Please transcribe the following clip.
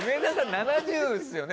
７０ですよね。